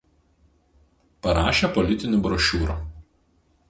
Parašė politinių brošiūrų.